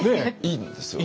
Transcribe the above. いいんですよ。